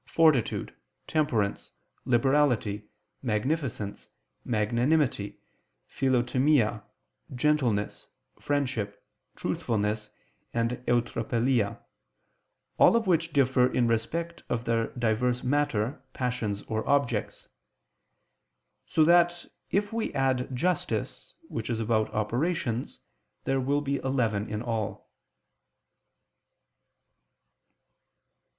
fortitude, temperance, liberality, magnificence, magnanimity, philotimia, gentleness, friendship, truthfulness, and eutrapelia, all of which differ in respect of their diverse matter, passions, or objects: so that if we add justice, which is about operations, there will be eleven in all.